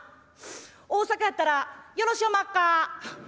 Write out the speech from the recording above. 大阪やったら『よろしゅうおまっか？』。